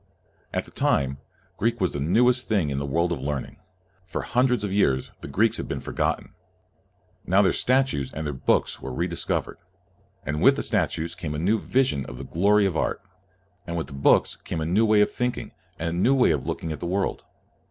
At that time, Greek was the newest thing in the world of learning. For hun dreds of years, the Greeks had been for gotten. Now their statues and their books were re discovered; and with the statues came a new vision of the glory of art, and with the books came a new way of thinking and a new way of looking at the world.